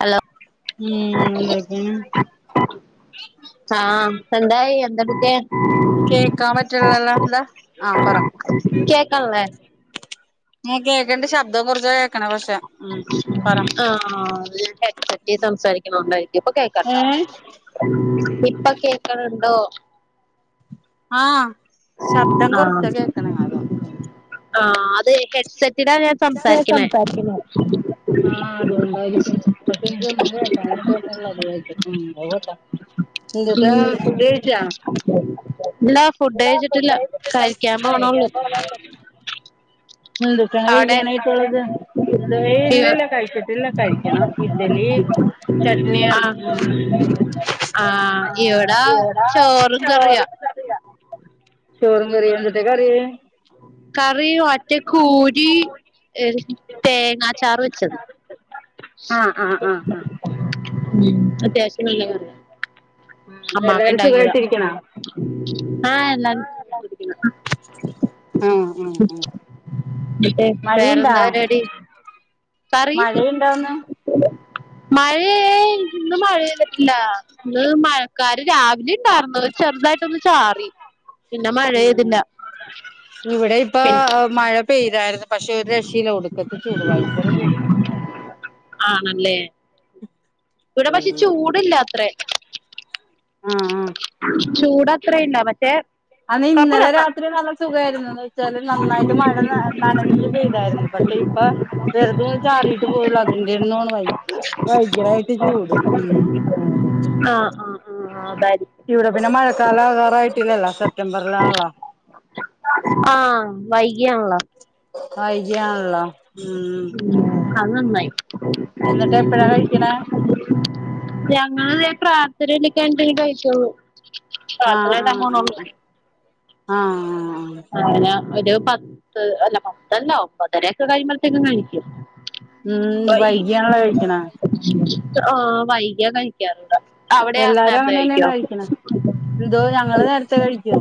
Hello ഉം എന്തൊക്കേണ്? ആഹ് എന്തായി എന്തെടുക്കെ? കേക്കാൻ പറ്റൺലല്ലാ. എന്താ ആഹ് പറ കേക്കണില്ലേ? ആഹ് കേക്കണ്ട് ശബ്ദം കൊറ ആഹ് അതിനെ പറ്റിയ സംസാരി കൊണ്ടായിരിക്കും ഇപ്പ കേക്കാട്ട. ഇപ്പ കേക്കണുണ്ടോ? ആഹ് ശബ്ദം ആഹ് കൊറച്ചാ കേക്കണെ. അതാ ആഹ് അതെ ഹെഡ്സെറ്റിലാ ഞാൻ സംസാരിക്കണെ. [unintelligible] ആഹ് അത്കൊണ്ടായിരിക്കും. പക്ഷെ എനിക്കൊന്നും കേൾക്കാൻ പറ്റണില്ല. അതായിരിക്കും ഉം എന്തൂട്ടാ ഉം ഫുഡ്‌ കഴിച്ചാ? ഇല്ല ഫുഡ്‌ കഴിച്ചിട്ടില്ല. കഴിക്കാൻ പോണേയുള്ളു. എന്തൂട്ടാ അവിടെ കഴിക്കാനായിട്ടുള്ളത്? എന്തവേ ഇല്ലില്ല കഴിച്ചിട്ടില്ല കഴിക്കണം. ഇഡലി ചട്നിയ ആഹ് ഉം ആഹ് ഇവിടാ ചോറും കറീം ചോറും കറീം, എന്തൂട്ടാ കറി? കറി ഒറ്റക്കൂരി തേങ്ങാ ചാറ് വെച്ചത്. ആഹ് ആഹ് ആഹ് ആഹ് അത്യാവിശ്യം നല്ല കറിയാ ഉം അമ്മാമ്മ എല്ലാവരും ഉണ്ടാക്കിയതാ സുഖവായിട്ട് ഇരിക്ക്ണോ? ആഹ് എല്ലാരും സുഖായിട്ടിരിക്ക്ണ് ആഹ് ആഹ് ആഹ് എന്നിട്ട് മഴയുണ്ടാ വേറെന്താ പരിവാടി? പറയ് മഴയുണ്ടോന്ന് [inaudible] മഴ ഏയ് ഇന്ന് മഴ പെഴ്തിട്ടില്ല ഇന്ന് മഴക്കാര് രാവിലെ ഇണ്ടാർന്നു പക്ഷെ ചെറുതായിട്ടൊന്ന് ചാറി പിന്നെ മഴ ഉം പെയ്തില്ല ഇവിടെയിപ്പൊ ശരി മഴ പെഴ്തായിരുന്നു പക്ഷെ ഒരു രക്ഷയില്ല ഒടുക്കത്തെ ചൂട് ഭയങ്കര ചൂട് ആണല്ലേ? ഇവടെ പക്ഷെ ഉം ചൂടില്ല അത്രെ ആഹ് ആഹ് ചൂട് അത്രയില്ല മറ്റേ ആന്ന് ഇന്നലെ രാത്രി നല്ല സുഖവായിരുന്നു എന്ന് വെച്ചാല് മഴ നന്നായിട്ട് മഴ നനഞ്ഞ് പെയ്തായിരുന്നു പക്ഷെ ഇപ്പൊ വെറുതെ ഒന്ന് ചാറിയിട്ട് പോയൊള്ളു അതിന്റെന്ന് തോന്ന്ണു ഭയങ്കരായിട്ട് ചൂട് ഉം ആഹ് ആഹ് ആഹ് അതായിരിക്കും ഇവടെ പിന്നെ മഴക്കാലം ആകാറായിട്ടില്ലല്ലോ സെപ്റ്റംബറിലാണല്ലോ? ആഹ് വൈകിയാണല്ലോ? വൈകിയാണല്ലോ ഉം ഉം അത് നന്നായി എന്നിട്ട് എപ്പഴാ കഴിക്കണേ ഞങ്ങളാണെ പ്രാർത്ഥന ചെല്ലി കഴിഞ്ഞിട്ടെ ഇനി കഴിച്ചൊള്ളൂ ആഹ് ആഹ് ആഹ് ആഹ് അതെ അങ്ങനെ ഒരു പത്ത് അല്ല പത്തല്ല ഒമ്പതരൊക്കെ കഴിയുമ്പഴത്തേക്കും കഴിക്കും ഉം വൈ വൈകിയാണല്ലോ കഴിക്കണെ ആഹ് വൈകിയ കഴി ക്കാറുണ്ട് അവിടെയാ എല്ലാരും നേരത്തെ അങ്ങനെ തന്നെയാണ് കഴിക്കോ? കഴിക്കണെ എന്തോ ഞങ്ങള് നേരത്തെ കഴിക്കും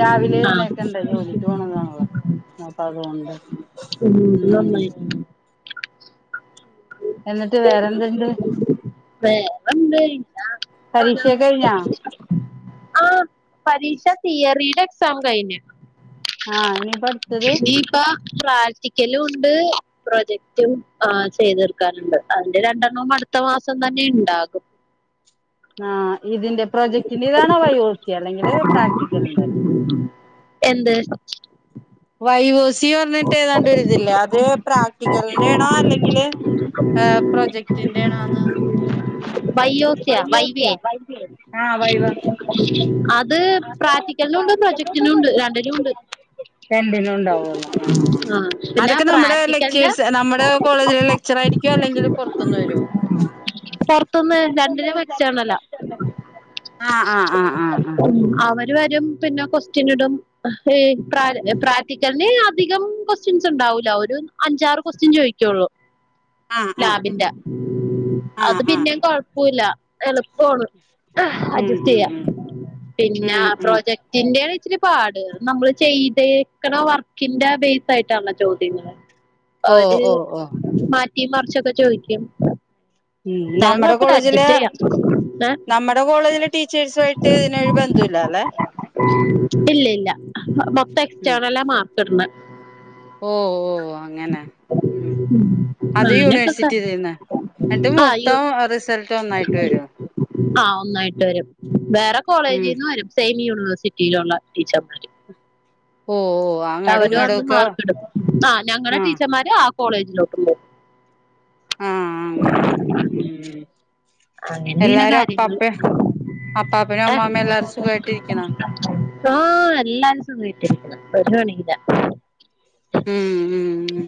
രാവിലെ ആഹ് എഴുന്നേൽക്കണ്ടേ ജോലി ജോലിക്ക് പോണതാണല്ലോ അപ്പൊ അത് കൊണ്ട് ഉം അത് നന്നായി എന്നിട്ട് വേറെയെന്തുണ്ട്? വേറെന്ത് ഇല്ല പരീക്ഷയൊക്കെ കഴിഞ്ഞോ? ആഹ് പരീക്ഷ തിയറിയുടെ എക്സാം കഴിഞ്ഞ് ആഹ് ഇനിയിപ്പൊ അടുത്തത്? ഇപ്പ പ്രാക്ടിക്കലുംണ്ട് പ്രൊജക്റ്റും ആഹ് ചെയ് തീർക്കാന്ണ്ട് അതിന്റെ രണ്ടെണ്ണം അടുത്ത മാസം തന്നെയിണ്ടാകും ആഹ് ഇതിന്റെ പ്രൊജക്റ്റിന്റെ ഇതാണോ വൈവ എന്ത്? വൈവോസി പറഞ്ഞിട്ട് ഏതാണ്ട് ഒരിതില്ലേ? അത് പ്രാക് റ്റിക്കലിൻ്റെ ആണോ? അല്ലെങ്കില് ഏഹ് പ്രൊജക്റ്റിന്റെ ആണോന്ന്? ബയ്യോസിയോ വൈവേ? വൈവേയാണ് അത് പ്രാക്റ്റിക്കലിനും ഉണ്ട് പ്രൊജക്റ്റിനും ഉണ്ട് രണ്ടിനും ഉണ്ട് [inaudible] രണ്ടിനും ഉണ്ടാവുവല്ലോ ആണ് ആണ് ആ പിന്നെ അതൊക്കെ നമ്മുടെ പ്രാക്ടിക്കലിന്റെ ലെക്ചേഴ്സ് നമ്മുടെ കോളേജിലെക്കെ ലക്ച്ചറായിരിക്കോ? അല്ലെങ്കില് പൊറത്ത്ന്ന് വരോ? പൊർത്ത്ന്ന് രണ്ടിനും വെക്സ്റ്റേണലാ. ആഹ് ആഹ് ആഹ് ആഹ് അവര് വരും. പിന്നെ കൊസ്റ്റ്യനിടും. ഏയ് പ്രാര് പ്രാക്ടിക്കൽന് അധികം ക്വസ്റ്റ്യൻസ് ണ്ടാവൂല. ഒരു അഞ്ചാറ് കൊസ്റ്റ്യൻ ചോയ്ക്ക്യൊള്ളു. [inaudible] ആഹ് ലാബിന്റെ. ആഹ് അത് ആഹ് ആഹ് പിന്നേം കൊഴപ്പുല്ല എളുപ്പാണ്. ഉം ഉം അഡ്ജസ്റ്റെയ്യാം. ഉം പിന്നെ ഉം ഉം പ്രോജക് റ്റിൻ്റേണ് ഇച്ചരി പാട്. അത് നമ്മള് ചെയ്തേക്കണ വർക്കിന്റെ ബെയ്സ്സായിട്ടാൺല്ലൊ ചോദ്യങ്ങള്. [inaudible] അവര് ഓ ഓ മാറ്റിം മർച്ചൊക്കെ ചോയ്ക്കും. ഉം ന്നാലും നമ്മുടെ കൊഴപ്പല്ല. കോളേജില് അഡ്ജെസ്റ്റെ യ്യാം. ഏഹ് നമ്മുടെ കോളേജിലെ ടീച്ചേഴ്സു ആയിട്ട് ഇതിനൊരു ബന്ധവും ഇല്ലാലെ. ഇല്ല ഇല്ല. മൊത്തം എക്സ്റ്റേർണലാ മാർക്ക് ഇട്ന്നെ. ഓഹ് ഓഹ് അങ്ങനെ. ഉം അത് അങ്ങനെയൊക്കെ യൂണിവേഴ്സിറ്റിയിൽ നിന്ന്. അത് ആ മൊത്തം റിസൾട്ട് ഒന്നായിട്ട് വെരൊ? ആഹ് ഒന്നായിട്ട് വരും. വേറെ കോളേജീന്ന് വരും. സേനി യൂണിവേഴ്സിറ്റിയിലുള്ള ടീച്ചർമാര്. ഓ ഓ അങ്ങടും അവര് ഇങ്ങടും വന്ന് ഒക്കെ മാർക്കിടും. ആഹ് ഞങ്ങടെ ടീച്ചർമാര് ആ കോളേജിലോട്ട് പോവും. ങ്ങനെ ഉം. അങ്ങനേണ് എല്ലാരും കാര്യങ്ങള് അപ്പാപ്പ അപ്പാപ്പനും ഏഹ്. അമ്മാമ്മയും എല്ലാരും സുഖായിട്ടിരിക്കണോ ആഹ് എല്ലാരും സുഖായിട്ടിരിക്ക് ന്ന്. ഒരു പണില്ല ഉം ഉം ഉം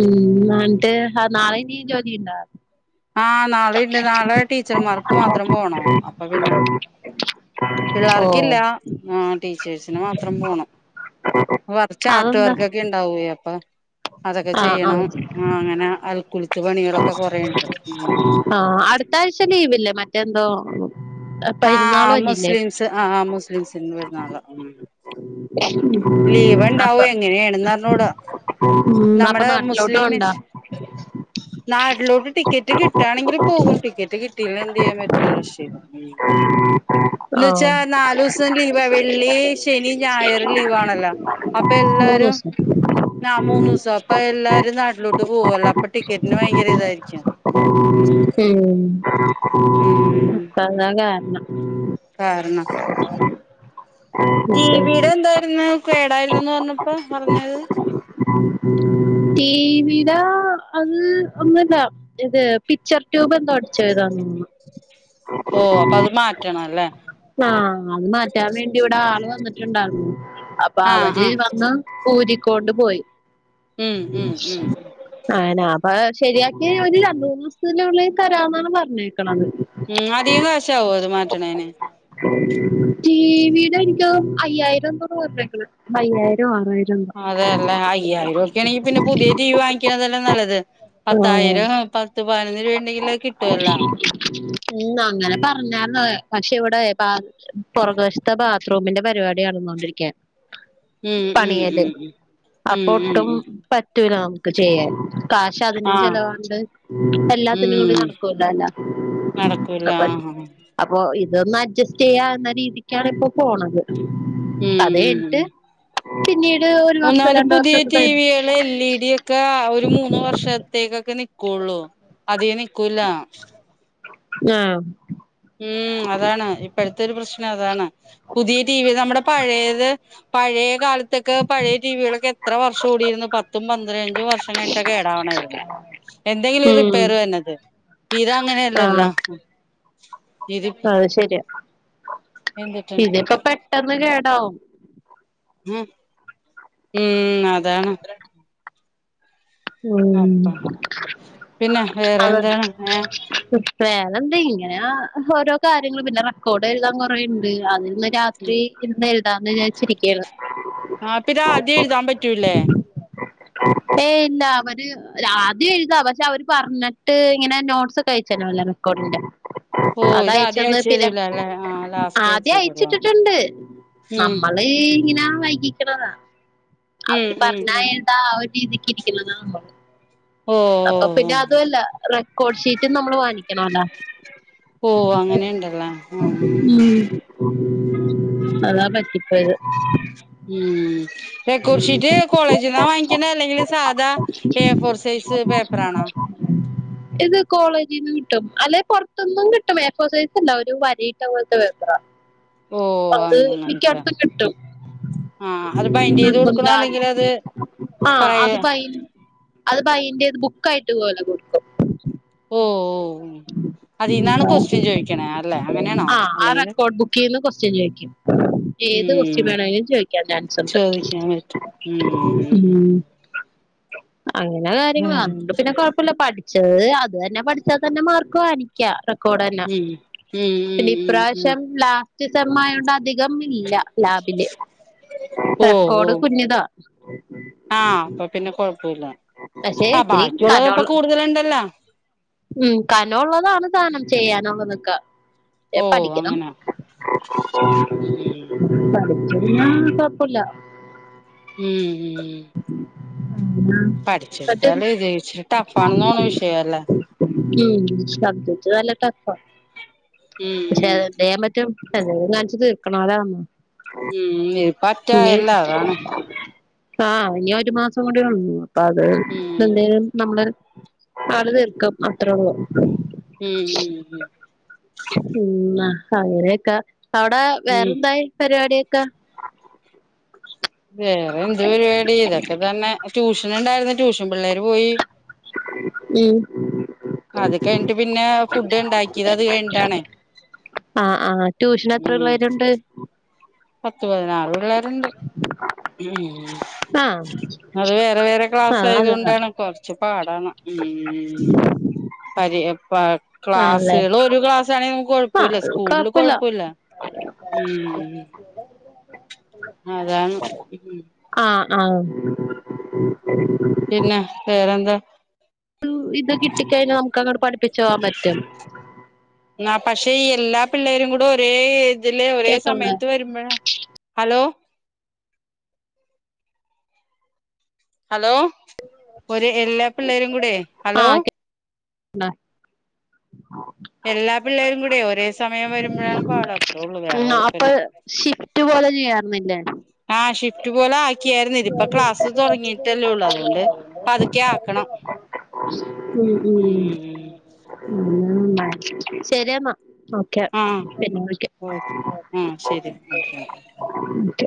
ഉം ഇന്നാട്ട് ആഹ് നാളേം ഈ ജോലിണ്ടാ? ആഹ് നാളീണ്ട്. നാളെ ടീച്ചർമാർക്ക് മാത്രം പോണം. അപ്പ പിന്നെ ഓ പിള്ളാർക്കില്ലാ. ആഹ് ടീച്ചേഴ്സിന് മാത്രം പോണം. വർ ചാർട്ട് അതെന്താ വർക്കൊക്കെ ണ്ടാവ്യെ. അപ്പ അതൊക്കെ ആ ആ ചെയ്യണം. ആഹ് അങ്ങനെ അൽക്കുൽത്ത് പണികളൊക്കെ കൊറേണ്ട്. ഉം ആഹ് അട്ത്താഴ്ച ലീവ്‌ല്ലെ. മറ്റെന്തോ പെരുന്നാൾ ആഹ് വന്നില്ലേ മുസ്ലിംസ് ആഹ് ആഹ് മുസ്ലിംസിന് പെര്ന്നാള്. ഉം ഉം ലീവ്ണ്ടാവൊ എങ്ങനെയാണെന്ന് അർഞ്ഞൂടാ. ഉം, അപ്പൊ നമ്മടെ നാട്ടിലോട്ട് മുസ്ലിം കൊണ്ടാ മിസ്സ് നാട്ടിലോട്ട് ടിക്കറ്റ് കിട്ടാണെങ്കില് പോവും. ടിക്കറ്റ് കിട്ടില്ലെ എന്തെയ്യാം പറ്റു ഒരു രക്ഷയില്ല. ഉം. ആ ന്ന് വെച്ചാ നാലൂസം ലീവാ. വെള്ളി, ശനി, ഞായർ ലീവാണല്ലൊ. ആഹ്. അപ്പം മൂന്ന് എല്ലാരും ദിവസം നാ പ്പ എല്ലാരും നാട്ടിലോട്ട് പോവല്ലൊ. അപ്പ ടിക്കറ്റ്ന് ഭയങ്കര ഇതായിരിക്കും. ഉം ഉം ഉം അതാ കാരണം. കാരണം ടി മറ്റേ വി ടെ എന്തായിരുന്നു കേടായിരുന്നെന്ന് പർഞ്ഞു പ്പ പർഞ്ഞത് ടി വി ടെ അത് ഒന്നുല്ലാ. ഇത് പിച്ചർ റ്റ്യൂബ് എന്തോ അട് ച്ചോയതാന്ന് തോന്നുന്നു. ഓ അപ്പൊ അത് മാറ്റണം അല്ലേ ആഹ് അത് മാറ്റാം വേണ്ടി വടെ ആള് വന്ന്ട്ടുണ്ടാർന്നു. അപ്പ ആഹ് അവര് ആഹ് വന്ന ഊരിക്കോണ്ട് പോയി. ഉം ഉം ഉം അങ്ങനെ അപ്പൊ അത് ശെരിയാക്കി ഒരു രണ്ട്, മൂന്ന്സ്ത്തിനുള്ളി തരാന്നാണ് പർഞ്ഞേക്ക്ണത്. ഉം അധികം കശാവൊ അത് മാറ്റ് ണേന്? ടി വിടെ ഇൻകം അയ്യായിരം എന്തോന്നാ പർഞ്ഞ്ക്ക്ണ് അയ്യായിരോ ആറായി അതെല്ലേ [unintelligible] അയ്യായിരം ഉർപ്പ്യാണെങ്കി പിന്നെ പുതിയ ടി വി വാങ്ങിക്ക്ണതെല്ലെ നല്ലത്. ആഹ് പത്തായിരം പത്ത് പതിനൊന്ന് രൂപ ഇണ്ടെങ്കിൽ അത് കിട്ടുവല്ലോ. ഉം അങ്ങനെ പർഞ്ഞാര്ന്നഹ് പക്ഷെ ഇവിടെ പാ ശെ പൊറക് വശത്ത ബാത്റൂമിന്റെ പരിവാടി നടന്നോണ്ടിരിക്ക്യാ. ഉം ഉം ഉം ഉം ഉം അപ്പൊ ഉം ഒട്ടും ഉം പറ്റൂല നമുക്ക് ചെയ്യാൻ കാശ് അതിനും ആഹ് ചെലവാണ്ട് എല്ലാത്തിനും കൂടി ഉം നടക്കൂലല്ല [unintelligible] ഉം അപ്പൊ ഇതൊന്ന് അഡ്ജസ്റ്റെയ്യാ എന്ന രീതിക്കാണ് ഇപ്പോ പോണത് ഉം അതെയ്ഞ്ഞ് ഉം ട്ട് പിന്നീട് ഒരു വർഷം രണ്ട് വർഷം ടി വികള് എൽ ഇ ഡി [unintelligible] ഒരു മൂന്ന് വർഷത്തേക്കൊക്കെ നിക്കൊള്ളൂ അധിക നിക്കൂല. ആഹ് ഉം അതാണ് ഇപ്പഴത്തെ ഒരു പ്രശ്നം അതാണ്. പുതിയ ടി വി നമ്മുടെ പഴയത് പഴയ കാല ത്തക്കെ പഴയ ടി വിയാളൊക്കെ എത്ര വർഷം ഓടിയിരുന്നു പത്തും പന്ത്രഞ്ചും വർഷം കഴിഞ്ഞ്ട്ടാ കേടാവ്ണായിരുന്നു. എന്തെങ്കിലും ഒരു ഉം റിപ്പയർ വര്നത് ഇത അങ്ങനെയല്ലല്ലോ ഹ്. അഹ് ശെര്യാ എന്തിട്ടുണ്ട് ഇതിപ്പൊ പെട്ടെന്ന് കേടാവും. ഉം ഉം അതാണ് ഉം അപ്പം പിന്നെ വേറെ ആഹ് എന്താണ് ഏ ഉം വേറെന്താ ഇങ്ങനെ ഓരോ കാര്യങ്ങള് പിന്നെ റെക്കോഡ് എഴുതാൻ കൊറേയുണ്ട് അതിന്ന് രാത്രി ഇന്ന് എഴുതാന്ന് വിജാരിച്ചു ഇരിക്കേര്ന്നു. ആപ്താ ആദ്യം എഴുതാൻ പറ്റൂല്ലേ? ഏയ് ല്ല അവര് ല ആദ്യം എഴുത പക്ഷെ അവര് പറഞ്ഞ്ട്ട് ഇങ്ങനെ നോട്ട്സൊക്കെ അയച്ചല്ലോ അല്ലേ റെക്കോഡിന്റെ. ഓ ഇത് ആദ്യം അതയ്ച്ചന്ന് അയച്ചു പിന്നെ തരൂല അല്ലേ ആ ലാസ്റ്റ് അയച്ചു ആദ്യ തരുള്ളൂ അയച്ചിട്ട്ട്ട്ണ്ട്. ഉം അയീ ഇങ്ങനെ വൈകിക്ക്ണതാ. ഉം അവര് ഉം പർഞ്ഞ ഉം ഏന്താ ആ ഒരു രീതിക്ക് ഇരിക്ക്ണതാ ഭംവം ഓ അപ്പൊ ഓ പിന്നെ ഓ അതുല്ല. റെക്കോഡ് ഷീറ്റും നമ്മള് വാങ്ങിക്കണോലോ. ഹോ അങ്ങനെണ്ട്ല്ലേ ഉം ഉം. അതാ പറ്റി പോയത് ഉം ഏകോർ ഷീറ്റ് കോളേജിന്നാ വാങ്ങിക്ക്ണ്ടെ അല്ലെങ്കിൽ സാധാ എ ഫോർ സൈസ് പേപ്പറാണോ? [inaudible] ഇത് കോളേജിന്ന് കിട്ടും അല്ലെ പൊർത്ത്ന്നും കിട്ടും എഫോ സൈസല്ല ഒരു വരയിട്ട പോൽത്തെ പേപ്പറാ. ഓ അത് അങ്ങനൻത്തെ മിക്കയിടത്തും കിട്ടും ആഹ്. അത് ബൈൻഡെയ്ത് കൊടുക്കണോ നിർബന്ധം അല്ലെങ്കിൽ അത് ആഹ് സ്പ്രേയോ? അത് ബൈ അത് ബൈന്റെത് ബുക്കായിട്ട് പോലെ കൊട്ക്കും. ഓഹ് ഓഹ് ഉം അതിന്നാണ് ക്വസ്റ്റ്യൻ ചോദിക്കണേ അല്ലേ അങ്ങനെയാണോ ആഹ് ആ അല്ലെങ്കില്? റെക്കോർഡ് ബുക്കീന്ന് ക്വസ്റ്റ്യൻ ചോദിക്കും ഉം ഏത് ക്വസ്റ്റ്യൻ ഉം വേണേലും ചോദിക്കാൻ ചാൻസ് ഉണ്ട് ചോദിക്കാൻ പറ്റും ഉം ഉം ഉം അങ്ങനെ കാര്യങ്ങള് വേറെ അതോണ്ട് പിന്നെ കൊഴപ്പില്ല പഠിച്ചത് അത് തന്നെ പഠിച്ചാൽ തന്നെ മാർക്ക് വാങ്ങി ക്ക്യ റെക്കോർഡെന്നെ ഉം ഉം പിന്നെ ഉം ഉം ഉം ഇപ്രാവശ്യം ലാ സ്റ്റ് സെമ്മായോണ്ട് അധികം ഇല്ല ലാബില് ഓ ഓ റെക്കോഡ് കുഞ്ഞതാ ആ അപ്പൊ പിന്നെ കൊഴപ്പൊ ഇല്ല ആഹ് ബാക്കിയൊള്ളതപ്പ കനോൾ കൂടുതല് ഇണ്ടല്ല ഉം കനോള്ളതാണ് താനും ചെയ്യാനുള്ളതൊക്കെ ക്ഷേ ഓ പഠിക്ക്യണം അങ്ങനെ ഉം പഠിച്ചോണ്ട് ഇര്ന്നാ കൊഴപ്പൊഇല്ല ഉം ഉം [inaudible] അങ്ങ്നാ പഠിച്ചെടുത്താല് ജയിച്ച് ഇച്ചിരി ടഫ് ആണെന്ന് തോന്നണ് വിഷയം അല്ലേ ഉം സബ്ജെക്ട് നല്ല ടഫാ പക്ഷെ ഉം അതോണ്ടെന്തെയ്യാൻ പറ്റും എന്തെങ്കിലും കാണിച്ച് തീർക്കണോലാ ഒന്ന് ഉം ഉം [unintelligible] ന്നേ പറ്റായില്ല അതാണ് ആഹ് ഇനി ഒരു മാസം കൂടി ഒള്ളൂ അപ്പോ അത് ഉം ഇപ്പ എന്തേലും നമ്മള് അത്‌ തീർക്കും അത്ര ഒള്ളൂ ഉം ഉം ഉം ഉം മ്മാ അങ്ങനെയൊക്കെ അവടെ ഉം വേറെന്തായി പരിപാടിയൊക്കെ വേറെ എന്ത് പരിപാടി ഇതൊക്കെ തന്നെ ട്യൂഷൻ ഇണ്ടായിരുന്നു ട്യൂഷൻ പിള്ളേര് പോയി ഉം അത് കഴിഞ്ഞട്ട് പിന്നെ ഫുഡ് ഇണ്ടാക്കിയത് അത് കഴ്ഞ്ഞ്ട്ടാണ് അഹ് ആഹ് ട്യുഷന് എത്ര പിള്ളേരുണ്ട് പത്ത് പതിനാറ് പിള്ളേര് ഇണ്ട് ഉം ആഹ് ഉം അത് വേറെ വേറെ ക്ലാസ് ആഹ് അതാ ആയതുകൊണ്ടാണ് കൊർച്ചു പാടാണ് ഉം പരേ പ ആണല്ലേ ക്ലാസ്സുകള് ഒരു ക്ലാസ് ആണെങ്കിൽ നമ്മക്ക് ആഹ് കൊഴപ്പൊഇല്ല അത് സ്കൂൾള് കൊഴപ്പല്ല കൊഴപ്പൊഇല്ല ഉം അതാണ് ഉം ആഹ് ആഹ് പിന്നെ വേറെന്താ ന്ന് ഇത് കിട്ടി കഴിഞ്ഞാൽ നമുക്ക് അങ്ങട് പഠിപ്പിച്ച് പോവാൻ പറ്റും ആഹ് പക്ഷെ ഈ എല്ലാ പിള്ളേരും കൂടെ ഒരേ ഏതില് ഒരേ കേക്കണില്ലേ സമയത്ത് വരുമ്പൊഴാ ഹലോ ഹലോ ഓര് എല്ലാ പിള്ളേരും കൂടേ ഹലോ ണ് എല്ലാ പിള്ളേരും കൂടെ ഒരേ സമയം വരുമ്പഴാണ് പാട് അത്രേ ഒള്ളൂ വേറെ ഉം അപ്പൊ കൊഴപ്പല്ല ഷിഫ്റ്റ് പോലെ ചെയ്യാർന്നില്ലേ ആ ഷിഫ്റ്റ് പോലെ ആക്കിയായിരുന്നു ഇതിപ്പോ ക്ലാസ് തുടങ്ങിയിട്ടല്ലേ ഉള്ളൂ അതുകൊണ്ട് പതുക്കെ ഉം ഉം ഉം ഉം [unintelligible] ശെരിരി എന്നാ ആഹ് ഓ ആഹ് ശരി എന്നാ ഓക്കെ ഒക്കെ ന്ന്ട്ട്